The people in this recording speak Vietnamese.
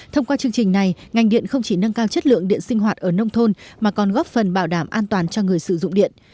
thông qua chương trình này ngành điện không chỉ nâng cao chất lượng điện sinh hoạt ở nông thôn mà còn góp phần bảo đảm an toàn cho người sử dụng điện